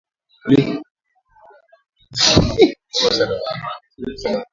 ulikuwa kwenye magari na mikutano mingine haikupigwa marufuku katika eneo hilo hilo